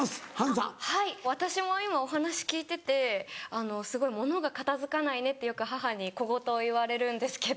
はい私も今お話聞いてて物が片付かないねってよく母に小言を言われるんですけど。